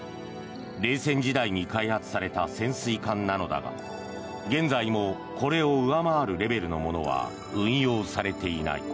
冷戦時代に開発された潜水艦なのだが現在もこれを上回るレベルのものは運用されていない。